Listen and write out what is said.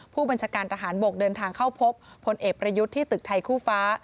ผู้บัญชาการทหารบกเดินทางเข้าพบพลเอกประยุทธ์ที่ตึกไทยคู่ฟ้า